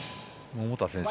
桃田選手